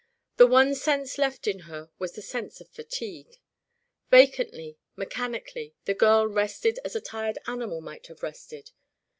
The one sense left in her was the sense of fatigue. Vacantly, mechanically, the girl rested as a tired animal might have rested.